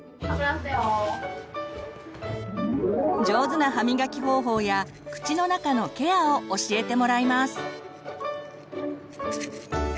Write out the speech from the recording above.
上手な歯みがき方法や口の中のケアを教えてもらいます。